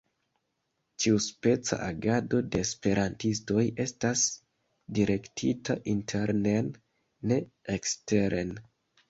Ĉiuspeca agado de esperantistoj estas direktita internen, ne eksteren.